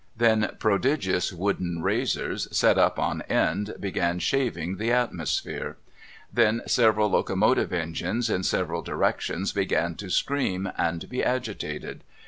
Then, i)rodigious wooden razors, set up on end, began shaving the atmosphere. Then, several locomotive engines in several directions began to scream and be agitated.